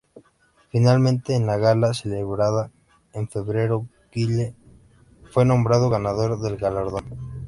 Finalmente, en la gala celebrada en febrero Guille fue nombrado ganador del galardón.